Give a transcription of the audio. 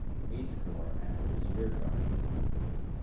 Meade's corps acted as rear guard.